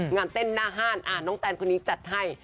งานเต้นหน้าห้านน้องแตนคนนี้จัดให้